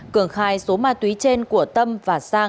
cường khai số ma túy trên của tâm và sang